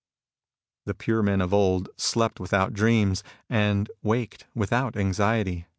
The pure men of old slept without dreams, and waked without anxiety.